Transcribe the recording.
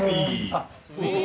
あっすいません。